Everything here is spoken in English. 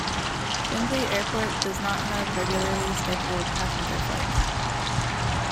Findlay Airport does not have regularly scheduled passenger flights.